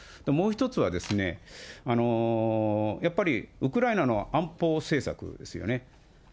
もう一つはですね、やっぱりウクライナの安保政策ですよね。